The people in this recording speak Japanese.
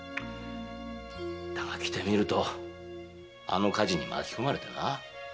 だが来てみるとあの火事に巻き込まれてな。